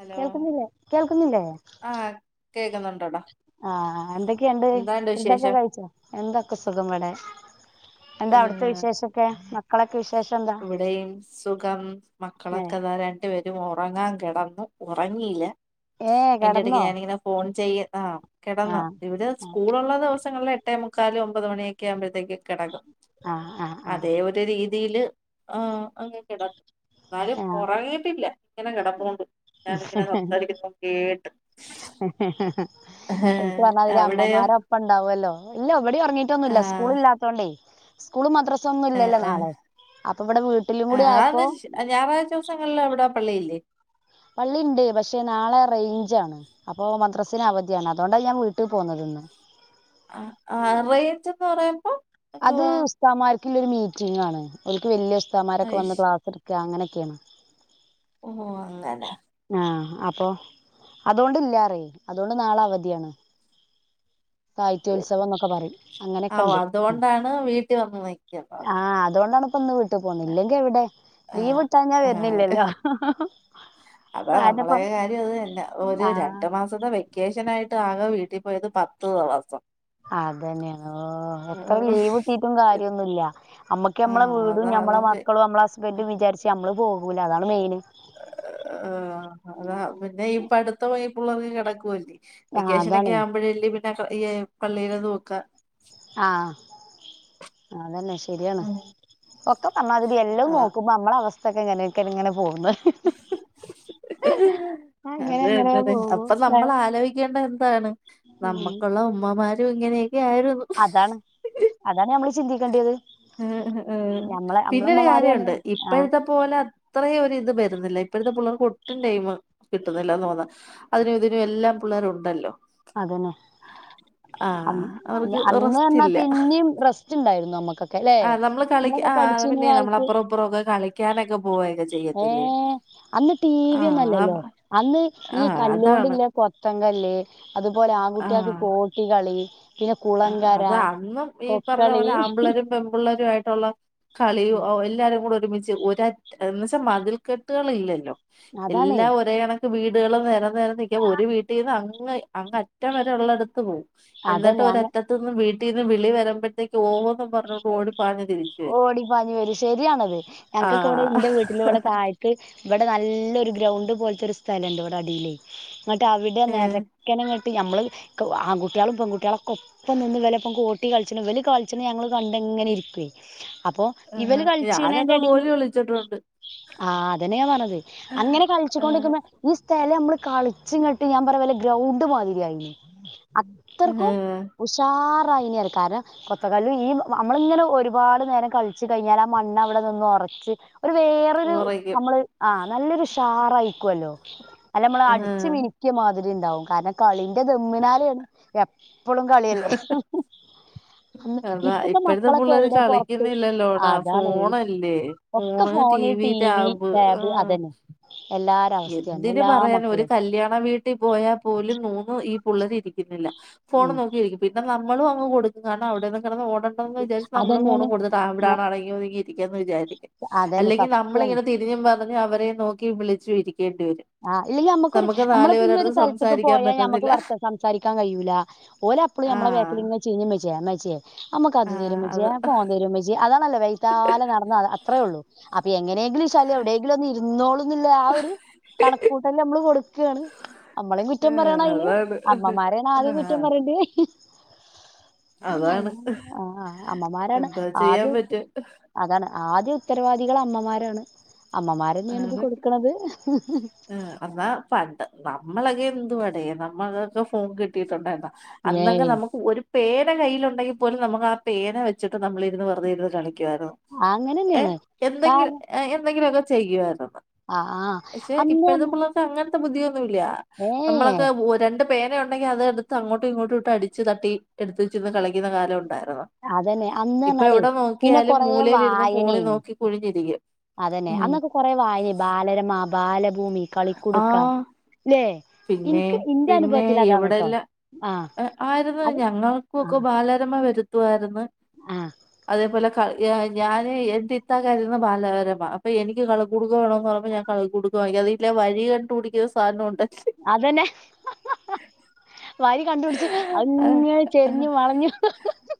Hello കേൾക്കുന്നില്ലേ കേൾക്കുന്നില്ലേ ആഹ് കേക്കുന്നുണ്ടോടാ ആ എന്തൊക്കെയുണ്ട് എന്താണ്ട് ഫുഡ് ഒക്കെ വിശേഷം കഴിച്ചോ എന്തൊക്കെ സുഖം ഇവിടെ എന്താ അവിടുത്തെ ഏഹ് വിശേഷം ഒക്കെ മ മക്കളൊക്കെ ഇവിടെയും സുഖം ഏഹ് മക്കളൊക്കെ ദാ രണ്ടുപേരും ഒ റങ്ങാൻ കെടന്നു ഉറങ്ങിയില്ല ഏഹ് കിടന്നോ ചെയ്യാ ആഹ് കിടന്ന് ആഹ് ഇവര് സ്‌കൂൾ ഉള്ള ദിവസ ദിവസങ്ങളിൽ എട്ടേമുക്കാല് ഒൻപത് മണിയെക്കെ ആകുമ്പോ കിടക്കും ആഹ് ആഹ് ആഹ് അതേ ഒരു രീതി രീതില് ആ അങ്ങ് കിട എന്നാലും കുറയത്തില്ല. ഇങ്ങനെ കിടപ്പോണ്ട് ഹുഹ്‌ഹ് ഹ്ഹ്ഹ് അവർക്ക് അവിടെയോ അമ്മമാരു ഒപ്പം ഉണ്ടാവുമല്ലോ? ഇല്ലാ ഇവിടെ ഉറങ്ങിട്ടൊന്നും ഇല്ലാ സ്കൂൾ ആഹ് ഇല്ലാത്തോണ്ടെ സ്‌കൂള് മദറ മദറസയൊന്നും ആഹ് ഇല്ലല്ലോ ആഹ് നാളെ അപ്പോ ഇവിടെ വീട്ടിലും കൂടി ആഹ് അത് ആയപ്പോ ശ- ഞായറാഴ്ച ദിവസങ്ങളിൽ അവിടെ പള്ളിയില്ലേ പള്ളിയിണ്ട്, പക്ഷേ നാളെ റയിഞ്ചാ, അപ്പോ മദ്രസേല് അവധിയാണ്, അതുകൊണ്ട് ഞാൻ വീട്ടിൽ പോന്നതിന്ന്. ആ ആ അത് ഉസ്താമാർ മീറ്റിംഗ് ആണ് [unintelligible] മാര് വന്ന് അയ്ശ് ക്ലാസെടുക്ക അങ്ങനെ [unintelligible] ഓ, അങ്ങനെ ആ, അപ്പോ, അതുകൊണ്ട് ഇല്ലാ റായി ആദ്യത്തെ ശരി ഉത്സവം എന്നൊക്കെ പറയും അങ്ങനെയൊക്കെ ആഹ് ഉണ്ട് അതുകൊണ്ടാണ് വീട്ടിൽ വന്ന് ആ നിക്കുന്നത് അതുകൊണ്ടാണ് ഇന്ന് വീട്ടിൽ പോകുന്നില്ലെങ്കിൽ ഇവിടെ ആഹ് ലീവ്ട്ടാഞ്ഞ ആഹ് വരുന്നില്ലല്ലോ അതാ നമ്മുടെ കാരണപ്പം കാര്യം അത് തന്നെ, ആഹ് രണ്ടുമാസത്തെ വെക്കെ വെക്കേഷൻ ആയിട്ട് ആകെ വീട്ടി പോയത് പത്ത് ദിവസം. അത് തന്നെ ഓ, അപ്പം ലീവ് കിട്ടിയിട്ടും കാര്യ ഒന്നുമില്ല. ഞമ്മക്ക് ഞമ്മടെ ആഹ് അതാ വീടും, ഞമ്മടെ നമുക്ക് മക്കളും ഞമ്മടെ ഹസ്ബൻഡും വിചാരിച്ച ഞമ്മള് പോകും. അതാണ് മെയിന് ആ, അതാ പിന്നെ ഈ പഠിത്തം ഈ പിള്ളേർക്ക് കിടക്കുവല്ലേ ആഹ് വെക്കേഷൻ അതാണ് ഒക്കെ ആകുമ്പോഴേല് [unintelligible] പള്ളിലെ ഇതൊക്കെ ആഹ് അതന്നെ ശരിയാണ്, ഒക്കെ നന്നാഗതി എല്ലാം ആഹ് നോക്കുമ്പോൾ നമ്മൾ അങ്ങ് അതൊക്കെ ഇങ്ങനെയൊക്കെ ഇങ്ങനെ പോന്ന് അങ്ങനെ അത് അങ്ങനെ തന്നെടെ, പോകും അപ്പം ല്ലേ നമ്മൾ ആലോചിക്കേണ്ട എന്താണ്? ഉം നമക്കൊള്ള ഉമ്മമാര് ഇങ്ങനെ അതാണ്, അതാ നമ്മള് ഇഷ് ചിന്തിക്കണ്ടിയത് പിന്നൊരു കാര്യം നമ്മള് ഉണ്ട് ആ ഇപ്പോഴത്തെ പോലെ അത്രയും ഒരു ഇതു വരുന്നില്ല, ഇപ്പോഴത്തെ പിള്ളേർക്ക് ഒട്ടും ടൈമ കിട്ടുന്നില്ല എന്ന് തോന്ന്, അതിന് ഇതിനെല്ലാം പിള്ളേരുണ്ടല്ലോ അത് തന്നെ, ആഹ് അവർക്ക് അന്നെന്ന് റെസ്റ്റ് പറഞ്ഞാ പിന്നെയും റസ്റ്റ് ഉണ്ടായിരുന്നു നമുക്ക് നമ്മൾ കളിക്കാ, ആ, ആ പിന്നെ നമ്മൾ അപ്പുറമൊക്കെ ഞാനെങ്ങും ഏ അന്ന് ടിവി ഒന്നുമല്ലല്ലോ ആഹ് അന്ന് ഈ ആഹ് അതാണ് കല്ലൊണ്ടല്ല കൊതകല്ല് അത് പോലെ ആങ്കുട്ടിയാക് കോട്ടികളി പിന്നെ കുളങ്കര അന്ന് ഈ കൊക്കളി പറഞ്ഞപോലെ അൻപിള്ളേറരും പെൺപിള്ളേരും ട്ടോള കളിയും എല്ലാവരും കൂടി ഒരുമിച്ച് ഒരൊറ്റ മതിൽ കെട്ടുകൾ ഇല്ലല്ലോ അതാണ് എല്ലാം ഒരേ വീടുകൾ വേണം ഒരു വീട്ടിന്നങ്ങനെ അങ്ങ് അറ്റം വരെ ഉള്ളിടത്ത് പോകും അതന്നെ അങ്ങ എന്നിട്ട് വീട്ടിന്ന് വിളി വരുമ്പോഴേക്കും ഓടും ഓടി പാഞ്ഞു വരും ശരിയാണത്. ആഹ് ഇൻ്റെ വീടിൻ്റെ വിട് താഴത്ത് ഇവിടെ നല്ല നല്ല ഗ്രൗണ്ട് പോലത്തെ സ്ഥലൻഡ് ഇവിടെ അഡീൽ നട്ട് അവടെ ഏഹ് നേരക്കാനെ ഞമ്മൾ ആൺകുട്ടികളും പെൺകുട്ടികളും ഒപ്പം നിന്ന് ഇവളൊപ്പോ കോട്ടി കളിക്കുന്നത് ഇവർ കളിക്കണെ കണ്ടിങ്ങനെ ഇരിക്കുവേ അപ്പൊ ഇവർ ഏഹ് ഞാനൊക്കെ കളിച്ച്നെൻ്റെ ഇടയിൽ ഗോലി കളിച്ചിട്ടുണ്ട് അതന്നെ പറഞ്ഞത് ഈ ആഹ് കളിച്ചിട്ടിരിക്കുമ്പോ ഈ സ്ഥലം കാളിച്ചിങ്ങാട്ട് വല്ല ഗ്രൗണ്ട് മാതിരിയായിൻ അത്രക്കും ഏഹ് ഉഷാറാ അത്രക്കയിനി കാരണം കൊതക്കല്ല് [unintelligible] ഞമ്മൾ ഒരുപാട് നേരം കളിച്ചു കഴിഞ്ഞാൽ മണ്ണവടെ നിന്ന് ഒറ ക്കും ഒരു വേറൊരു ഉറയ്ക്കും ഞമ്മള് ആ നല്ലൊരു ഉഷാറായിരിക്കല്ലോ അല്ല ഞമ്മൾ ഏഹ് അടിച്ച് മിനുക്കിയ മാതിരി കളിൻ്റെ തമ്മിനാല് ഇപ്പോ എപ്പോളും കളിയല്ലേ ഇപ്പൊ ഇപ്പോഴത്തെ പിള്ളേർ കളിക്കുന്നില്ലല്ലോ ഡാ അതാണ് ഫോണല്ലേ ഒക്കെ phone phone TV T V tab അതന്നെ എല്ലാര അവസ്ഥയാണ് എന്തിന് എല്ലാ പറയണം ഒരു മക്കളും കല്ല്യാണ വീട്ടിൽ പോയാൽ പോലും പിള്ളേർ [unintelligible] ല്ല ഉം ഫോണും നോക്കിയിരിക്കും പിന്നെ ന മ്മളു അങ്ങ് കൊടുക്കു കാരണം അവിടെ കെടന്നോടണ്ടാന്ന് വിചാരിച്ച് നമ്മള് ഫോണും അതന്നെയാണ് ഞാൻ കൊടുത്തവിടാനും അടങ്ങി ഒതുങ്ങി ഇരിക്കെന്ന് വിചാരിക്കും അതന്നെ അല്ലെങ്കി സത്യാണ് നമ്മളിങ്ങനെ തിരിഞ്ഞും മറിഞ്ഞും അവരെ നോക്കി വിളി ചൂരി അ ല്ലെങ്കി നമക്കൊരു നമ്മളിപ്പ ഇനിയൊരു പേരടുത്ത് സ്ഥലത്തേക്ക് സംസാരിക്കാൻ പോയാ നമ്മക്ക് പറ്റത്തില്ല വർത്ത സംസാരിക്കാൻ കഴിയൂല ഓലപ്പള് നമ്മള ബാക്കില് ആഹ് ഇങ്ങനെ ചെയ്യുമ്മച്ചിയേ മ്മച്ചിയേ നമ്മക്കതു തരോ ആഹ് അത് അമ്മച്ചിയേ ഫോൺ തരോ ഉമ്മച്ചിയേ നല്ല വെയ്ത്താല് നടന്നാ അത്രേ ഉള്ളൂ അപ്പെ ങ്ങനെങ്കിലും ശല്യം എവിടെങ്കിലൊന്ന് ഇ തിന്നോള് നുള്ള ആ ഒരു കണക്കൂട്ടല നമ്മള് കൊട് ക്കാണ് മ്മളെ കുറ്റം ആഹ് പറയണയില് അതാണ് അമ്മമാരെണ് ആദ്യം ആഹ് കുറപറയണ്ട് [unintelligible] അതാണ് ആ-ആ അമ്മമാരാണ് എന്താ ചെയ്യാൻ ആദ്യ പറ്റും അതാണ് ആദ്യ തരവാദികൾ അമ്മമാരാണ് അമ്മമാരന്നെയാണിത് കൊടുക്കണത് അന്നാ പണ്ട് നമ്മളെക്കെ എന്തുവാടെ നമ്മക്കക്കെ ഫോൺ കിട്ടീട്ടുണ്ട എന്ത അന്നക്കെ ഏയ് നമുക്ക് ഒരു പേന കയ്യിലുണ്ടെങ്കി പോലും നമുക്കാ പേന വച്ചിട്ട് നമ്മളിരുന്ന് വെറുതെ ഇരുന്നു കളി ക്കുവാരുന്നു എ അങ്ങനെന്നെയാണ് എന്തെങ്കിലു എന്തെങ്കിലൊക്കെ ചെയ്യുവേതം അ ആഹ് അന്ന് മ [unintelligible] ത്ത ബുദ്ധിയോ ന്നൊല്ല്യ നമ്മളെക്കെ ഒരെണ്ട് പേനയൊണ്ടെങ്കി അതെടുത്ത് അങ്ങോട്ടും ഇങ്ങോട്ടും ഇട്ട് അടിച്ച് തട്ടി എടുത്ത് വച്ചിരുന്ന് കളിക്കുന്ന കാലമുണ്ടാർന്ന് അതന്നെ അന്ന് ഇപ്പ പറഞ്ഞാലേ എവിടെ പിന്നെ നോക്കിയാലും കൊറേ മൂലെലിരുന്ന് ഫോണി നോക്കി കുനിഞ്ഞിരിക്കും എ അന്നക്കെ കൊറെ വായനെ ബാലരമ ബാലഭൂമി ഭൂമി കളിക്കുടുക്ക ല്ലേ ഇൻക്ക് ഇന്റെ പിന്നെ-പിന്നെ അനുഭവത്തിൽ അതാണ് ട്ടോ എവിടല്ല ആഹ് ആയിരുന്ന് അത് ഞങ്ങൾകൊക്കെ ആഹ് ബാലരമ മ വരുത്താരു [unintelligible] ന്ന് ആഹ് അതേപോലെ ഏഹ് ഞാന് എൻ്റെത്താക്കാരിന്ന് ബാലരമ അപ്പ എനിക്ക് കളിക്കുടുക്ക വേണൊന്ന് പറഞ്ഞപ ഞാൻ കളിക്കുടുക്ക വാങ്ങിക്കു അത് ഇല്ലേ വഴി കണ്ടുപിടിക്കുന്ന സാധനോണ്ട് അതന്നെ ഹ-ഹ-ഹ വഴി കണ്ടുപിടിച് ആയിങ്ങനെ ചെരിഞ്ഞ് വളണ് [unintelligible]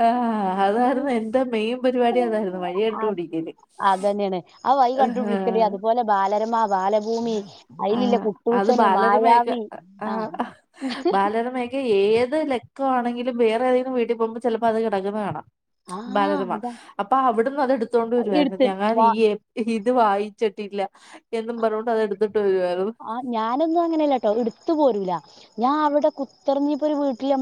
അ [inaudible] [unintelligible] അതായിരുന്നു വഴി കണ്ടുപിടിക്കല് അദെന്നെന് അവയിൽ കണ്ടുപിടിക്കുണ്ടങ്കിൽ അത് പോലെ ബാലരമ ബാലഭൂമി അയിൽ ഇള്ള ആഹ് അത് കുട്ടൂസൻ മായാവി അ [unintelligible] ബാലരമ ക്കെ ഏത് ത് ലക്ക് ആണെങ്കിലും വേറെതെങ്കിലും വീട്ടിൽ പോവുമ്പോ ചിലപ്പം അത് കിടക്കുന്നത് കാണാ ആഹ് ബാലരമ അതാ അപ്പൊ അവിടുന്ന് അത് എടുത്തോണ്ട് വരുമായിരുന്നു എടുത്ത് വാ [unintelligible] ഇത് വായിച്ചിട്ടില്ല യെന്നും പറന്നോണ്ട് അത് എടുത്ത് അ ഞാനൊന്നും അങ്ങനെഅല്ലട്ടെ ഇട്ത്ത് പോരൂല ഞാൻ അവിടെ കൂതറന്ന്ഇനി ഇപ്പ ഒരു വിട്ടിൽ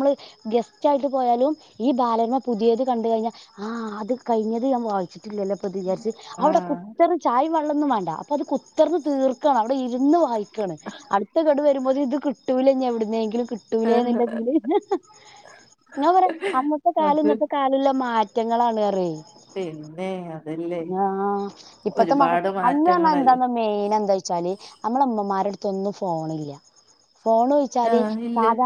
ഗസ്റ്റ് ആയിട്ട് പോയാലും ഇ ബാലരമ പുതിയത് കണ്ട് കഴിഞ്ഞാൽ ആ അത് കഴിഞ്ഞത് ഞാൻ വയ്ക്കും. ട്ടില്ലല്ലല്ലോ ഇദ് വിചാരിച് അവിടെ ആഹ് കുത്തർന്ന് ചായിം വെള്ള ണും വണ്ട [unintelligible] നാപ കുത്തർൻ തീർക്കാൻ അവിടെ ഇ [unintelligible] ന്ന് വായിക്കാന് അടുത്ത ഗഡു വരുമ്പോത്തിന് ഇത് കിട്ടൂലെ ഇനി എവിട്ന്നെങ്കിലും കിട്ടൂലെ ന്ന് ആഹ്. ഇല്ലാദിൽ [unintelligible] ഞാൻ പറ അന്നതാ കാല അത് ഇന്നത്തെ കാല ഉള്ള മാറ്റം റ്റകളാണ് പിന്നെ അതല്ലേ ഞാ ഇപ്പത്തെ ഒരുപാട് മക്കക്ക് അന്ന് ൽ എന്താ മാറ്റങ്ങളല്ലേ മെയിൻ ച്ചാൽ നമ്മളെ ഉമ്മമാരെ അടുത്തൊന്നും പോണില്ല ഫോൺവെച്ചാൽ ആഹ് ഇല്ല സാധ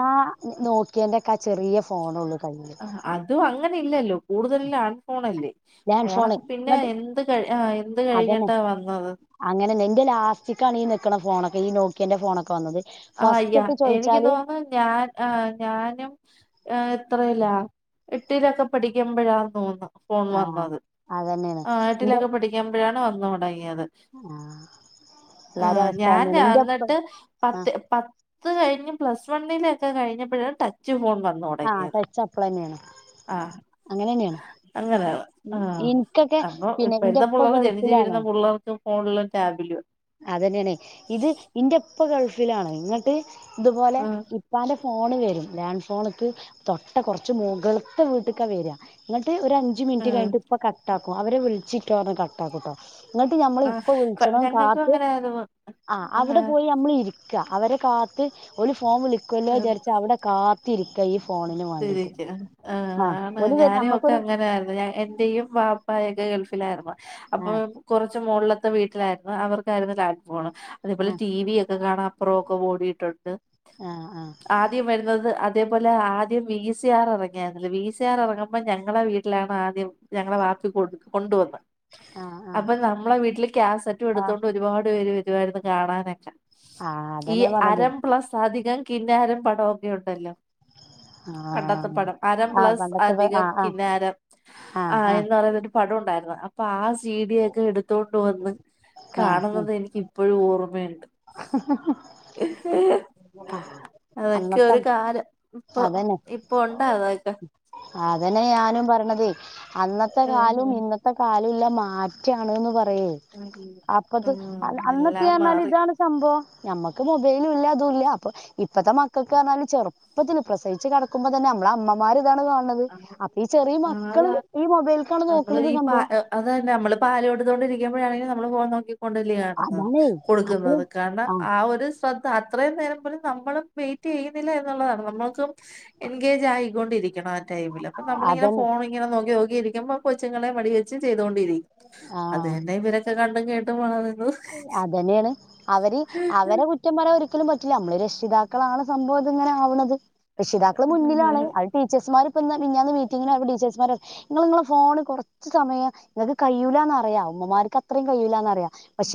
നോക്കി യ ന്റെ ഒക്കെ ചെറിയ ഫോൺ ഒള്ളു അ അതും അങ്ങ ഇല്ലല്ലോ കൂടുതലും ലാൻഫോണല്ലേ ലാന്റ് ഫോൺ ഇങ്ങണ്ട് ആഹ് എന്ത് അദെന്നെ കഴിഞ്ഞിട്ടാ വന്നത് അങ്ങനെന്നെ ഇന്റ ലാസ്റ്റി കാണി ഇ ഞെക്കണ ഫോണൊക്കെ ഇ നോക്കിയന്റെ ഫോണക്കെ വന്നത് അ ഫസ്റ്റ് യ ഒക്കെ എനിക്ക് ചോദിച്ചാല് തോന്നുന്നു ഞാൻ അ ഞാനും ഹ എത്രലാ എട്ടിലൊക്കെ പഠിക്കുമ്പഴ തോന്ന ഫോൺ ആഹ് വന്നത് അതന്നെയാണ് അ എന്റെ എട്ടിലൊക്കെ പഠിക്കു ക്കുമ്പഴാണ് വന്ന് തുടങ്ങിയത് ത് ആഹ് അ എല്ലാരും അവസ്ഥ ഞാൻ തന്നെയാണ് എന്റെപ്പ അന്നിട്ട് പത്ത് കഴിഞ്ഞ് പ്ലസ്ടു വണിലെക്കെ കഴിഞ്ഞപ്പഴ് ഒര് ടച്ച് ഫോൺ വന്നു അ തുടങ്ങിയത് ടച്ച് അപ്പളേനെൻ ആഹ് അങ്ങനെന്ന് ഇൻക് അപ്പം ഇപ്പോഴത്തെ പിള്ളേർ ജനിച് വീയുന്ന പിള്ളേർക്കും ഫോണില് ടേബില് അതന്നെണേയ് ഇത് ഇൻ്റെപ്പ ഗൾഫ് ഫ്‌ലാണ്. ങ്ങട്ട് ഇത്പോലെ ഉം ഇപ്പന്റെ ഫോണ് വരും ലാൻഡ് ഫോണിക്ക് തോട്ട കൊർച് മുകൾത വീട്ടിക വരാ ഒര് അഞ്ചു മിനുട്ട് ഉം കഴിഞ്ഞ ഇപ്പ കട്ടാക്കും അവര് വിളിച്ചി ട്ടൊ ന്ന് കട്ടാക്കും ഇങ്ങട്ട് ഞമ്മൾ ഇപ്പം ആഹ് വിളിച്ചണം ഞങ്ങൾക്കും കാത്- അങ്ങനെയായിരുന്നു അ അവിടെ പോയി അമ്മള് ഇരി ക്ക്യ അവരെ കാത്ത് ഓല് ഫോൺ വിളിക്കാല്ലോ ആഹ് വിചാരിച് അവിടെ കാ തിരിക്ക ആണ് ഓല് വരും ഞാനൊക്കെ നമ്മക്കൊരു അങ്ങനെ ആയിരുന് എന്റെയും വാപ്പ യൊക്കെ ഗൾഫില് ലയിരുന്നു ആ അപ്പം കൊർച് മോളില ത്ത വീട്ടില ആയിരുന്ന് അവർക്കയിർന്നു [unintelligible] ഫോണ് ആ അതേപോലെ ടീവി യൊക്കെ കാണാ പ്രൂക്കെ ഓടിയിട്ടിണ്ട് ആ ആ ആദ്യം വര്ന്നത് അത് തെ പോലെ ആ ബി സി ആറ് ഇറങ്ങിയാര്ന്നു ബി സി ആറ് ഇറങ്ങുമ്പോ ഞങ്ങടെ വീട്ടിലാണാദ്യം ഞങ്ങടെ വാപ്പി കൊണ്ട് വന്ന ആ ആ അപ്പൊ നമ്മടെ വീട്ടിൽ കാസറ്റ് ആ എടുത്തോണ്ട് ഒരു പാട് പേര് വ രുവായിരുന്നു കാണാനായിട്ട് ആ ഈ അതന്നെ അര പറഞ്ഞത് പ്ലസ് അധികം കിന്നാരം പാമൊക്കെയുണ്ടല്ലോ ആ പണ്ടത്തെ പടം അര ആ പ്ലസ് പണ്ടത്തെ ആ അധികം ആ കിന്നാരം ആ ആഹ് ആഹ് എന്നാരു പടം ഉണ്ടായിരുന്നു പാസ് ജീടി ഒക്കെ എടുത്തോണ്ട് വന്ന് കാണുന്നത് എനിക്ക് ഇപ്പഴും ഓർ വേണ്ട് ഹ ഹഹ അതൊക്കെ ഒരു കാലം ഇപ്പൊ അതന്നെ ഇപ്പൊ ഉണ്ടാ അതക്കെ അതന്നെ ഞാനും പറഞ്ഞത് അന്നത്തെ ആഹ് കാലവും ഇന്നത്തെ കാലംല്ല മാറ്റാണ്ന്ന് പറ ഉം ഉം. പ്പഴെ അപ്പത് ഉം എല്ലാം അന്നൊക്കെയാൽ മാറി ഇതാണ് സംഭവം ഞമ്മക്ക് മൊബൈല് ഇല്ലാ ത്തുല്ല അപ്പൊ ഇപ്പഴത്തെ മക്കൾക്ക് പറാല് ചെറുപ്പത്തി പ്രസയിച്ച് കിടക്കുമ്പോ തന്നെ നമ്മള അമ്മമാര് താണ് കാണുന്നത് ആ അപ്പൊ ഈ ചെറിയ അത് മക്കള് ആ അത് ഈ മൊബൈലക്കാണ് നോക്കണത് സംഭവം പാലോടുകൊണ്ടരിക്കുമ്പഴാണെങ്കി നമ്മള് പോ നോക്കി ണ്ടിലിയണ അതാണേ അപ്പൊ കൊടുക്കുന്നത് കാരണം ആഹ് ആ ഒരു ശ്രദ്ധ ത അത്രേ നേരം നേരം പോലും നമ്മളും വൈറ്റ് ചെയ്യുന്നില്ല ന്നുള്ളതാണ് നമ്മക്കും എങ്കേജായി കൊണ്ടിരിക്കണം കുല പ്പൊ നമ്മളിങ്ങ അതന്നെ ഫോണിങ്ങനെ നോ നോക്കി നോക്കി ഇരിക്കുമ്പോ കൊച്ച്ങ്ങള് പ ര് അതെ അതെ [unintelligible] പ കേട്ട് പോണത് അതെന്നേണ് അവന് അവരെ കുറ്റം പറയാൻ ഒര് രിക്കലും പറ്റില്ല നമ്മള് രക്ഷിതാക്കളാണ് സംഭവം ഇത്ങ്ങനെ ആവ്ണത് രക്ഷിതാക്കള് ഉം മുന്നിലാണ് അത് ടീച്ചേസ്മാര് ഇ പിന്നന്ന് മീറ്റിങ്ങ ടീച്ചേഴസ്മാര് നിങ്ങങ്ങള് നിങ്ങള ഫോണ് കുറച്ച് സമയം നിങ്ങക്ക് കഴൂല്ലാന്ന് അറിയാം ഉമ്മമാര്ക്ക് അത്രയും കയ്യുല്ലാന്നറിയാം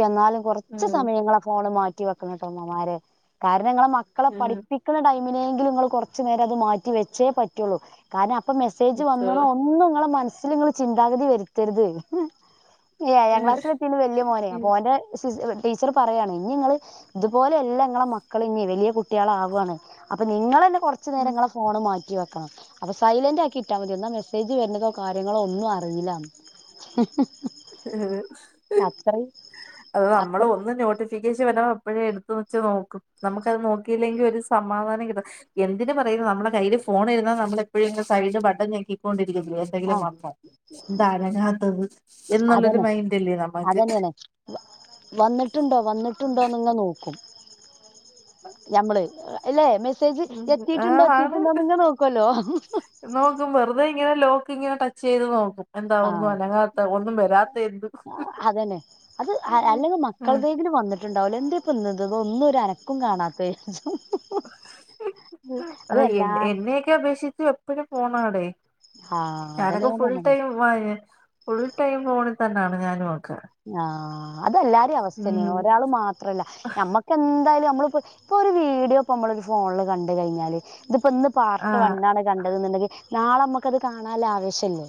എന്നാലും കൊറച്ച് ഉം സമയങ്ങള ഫോണ് മാറ്റ് റ്റിവെക്കണൊട്ടൊ ഉമ്മമാരെ കാര പിന്നെ ഇങ്ങളെ മക്കളെ ഉം പഠിപ്പിക്ക്ണ ടൈമ് ഇങ്ങനേങ്കിലു ഇങ്ങള് കൊറച്ചു നേരം അത് മാറ്റി വെച്ചേ പറ്റൊള്ളൂ കാരണം ഇപ്പ മെസേജ് ഉം വന്ന്ണോ ഒന്നു ഇങ്ങളെ മൻ ത്ത്ന നിങ്ങള് ചിന്താഗതി വെരുത്തരുത് ഹ് ഹ് ഏഴാം ക്ലാസിലെത്തീണ് വെല്ല്യമോനെ ഉം പോന്റെ സി [unintelligible] ടീച്ചർ പറയാണ് ഇനി ഇങ്ങള് ഇതുപോലെല്ല നിങ്ങളെ മക്കള് ഇഞ്ഞ് വെല്യേ കുട്ട്യേള് ആവാണ് അപ്പൊ നിങ്ങളെ കൊറച്ച് ഉം നേരം ഇങ്ങളെ ഫോണ് മാറ്റിവ ക് ക്ക അപ്പൊ സൈലന്റ് ആക്കി ഇട്ടാ മതി ഇന്നാ മെസ്സേജ് വരുന്നതോ കാര്യങ്ങളോ ഒന്നും അറീല്ല ഹ് ഹ് ഹ് ഉം ഉം അത് നമ്മള് അത്രയും ഒന്ന് നോട്ടിഫിക്കേഷൻ വ നോ അപ്പഴേ എടുത്തുവെച്ചുനോക്കും നമ്മുക്കത് നോക്കിയില്ലെങ്കി ഒരു സമാധാനം കിട്ടത് എന്തിന് പറയുന്നു നമ്മളെ കൈയിൽ ഫോൺ ഇരുന്നാ നമ്മൾ എപ്പോഴും ഇങ്ങനെ സൈഡ് ബട്ടൻ ഞെക്കി കൊണ്ടിരിക് ഇത് ആ എന്തെങ്കിലും വന്നോ എന്താ അനങ്ങാത്തത് എന്നുള്ളൊരു അതന്നെ. മൈൻഡല്ലേ നമ്മക്ക് അതന്നെയാണ്. വന്നിട്ടുണ്ടോ വന്നിട്ടുണ്ടോന്ന് ഇങ്ങനെ നോ ഞമ്മള് എല്ലേ? മെസേജ് ആ എത്തിയിട്ടുണ്ടോ ആണ് എത്തിയിട്ടുണ്ടോന്നിങ്ങനെ നോക്കുവല്ലോ. ക്കിങ്ങനെ ടച്ച്‌ ചെയ്തുനോക്കും. എന്താ ആ ഒന്നും അനങ്ങാത്തെ ഒന്നും വരാത്തെ എന്ത്? അതന്നെ ആഹ് ട്ടിട്ടുണ്ടാവൂലെ? എന്തെ ഇപ്പന്നിത് ഒന്നും ഒരു അന എടോ എ അതെല്ലാ എന്നെയൊക്കെ അപേക്ഷിച്ചു എപ്പഴും ഫോണാടെ. ആഹ് അതന്നെ ഞാനൊക്കെ ഞാൻ ഫുൾ പറഞ്ഞത് ടൈം [unintelligible] ഫുൾ ടൈം ഫോണി തന്നാണ് ഞാനും ഓക്കേ. ആഹ് ഇതെല്ലാരേം അവസ്ഥന്നെയാണ്. ഒരാള് മാത്രല്ല. ഞമ്മക്ക് എന്തായാലും നമ്മളിപ്പോ ഇപ്പോരു വീഡിയോ ഇപ്പോ മ്മള് ഫോണില് കണ്ടുക്കഴിഞ്ഞാല് ഇത്പ്പോ ഇന്ന് പാർട്ട്‌ ആഹ് വണ്ണാണ് കണ്ടതെന്നുണ്ടെങ്കി നാളെ നമ്മക്ക് അത് കാണാന്ള്ള ആവേശം ഇല്ലെ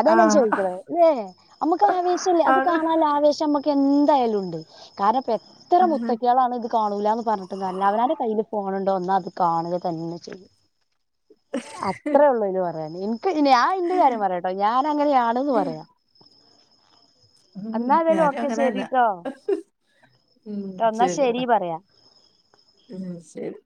അതാ ഞാൻ ആഹ് ചോയ്ക്ക്ണേ ല്ലേ നമ്മക്ക് ആവേശല്ലേ ആണ് കാണാനുള്ള ആവേശം നമ്മുക്ക് എ എന്തായാലുണ്ട് കാ എത്ര മുത്തശ്ശികളാണ് ഇത് കാണൂലാന്ന് പറഞ്ഞിട്ട് കാര്യല്ല അവനാന്റ കൈയിൽ ഫോണുണ്ട് ഒന്നാ അത് കാണുക തന്നെ ചെയ്യും അത്രേള്ളൂ ബെനിം ക്കതിനെ ഞാൻ എന്റെ കാര്യം പറയാട്ടോ ഞാൻ അങ്ങനെയാണ്ന്ന് പറ ഞാനും അങ്ങനെന്നെ ശരിട്ടോ ട്ടോ എന്നാ ശെരി ശരി പറയാ ഉം ശെരി